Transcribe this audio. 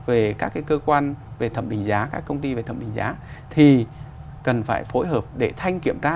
về các cơ quan về thẩm định giá các công ty về thẩm định giá thì cần phải phối hợp để thanh kiểm tra